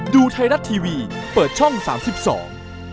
ดูไทรัตทีวีเปิดช่อง๓๒